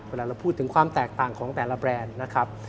เวลาเราพูดถึงความแตกต่างของแต่ละแบรนด์นะครับ